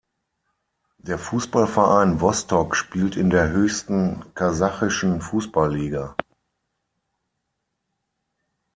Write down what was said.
Der Fußballverein "Wostok" spielt in der höchsten kasachischen Fußball-Liga.